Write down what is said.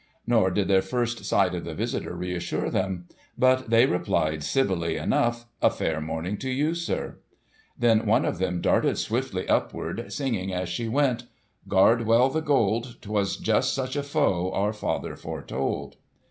Nor did their first sight of the visitor reassure them. But they replied, civilly enough, "A fair morning to you, sir!" Then one of them darted swiftly upward, singing as she went "Guard well the Gold; 'Twas just such a foe Our father foretold."